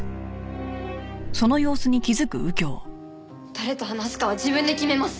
誰と話すかは自分で決めます。